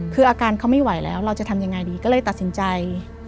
คืออาการเขาไม่ไหวแล้วเราจะทำยังไงดีก็เลยตัดสินใจ